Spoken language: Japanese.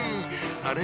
あれ？